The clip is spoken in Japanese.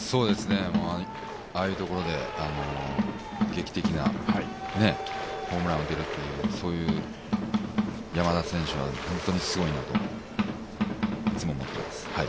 ああいうところで劇的なホームランが出るという、そういう山田選手は本当にすごいといつも思っています。